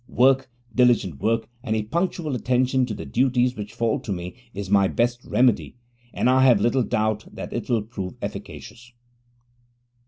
Work, diligent work, and a punctual attention to the duties which fall to me is my best remedy, and I have little doubt that it will prove efficacious.